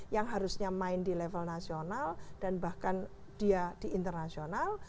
yang harusnya main di level nasional dan bahkan dia di internasional